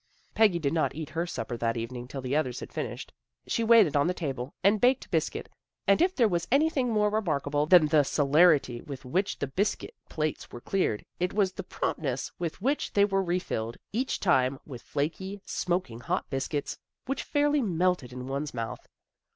Peggy did not eat her supper that evening till the others had finished. She waited on the table, and baked biscuit, and if there was any thing more remarkable than the celerity with which the biscuit plates were cleared, it was the promptness with which they were refilled, each time with flaky, smoking hot biscuits, which A BUSY AFTERNOON 65 fairly melted in one's mouth.